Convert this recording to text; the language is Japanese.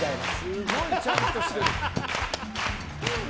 すごいちゃんとしてる。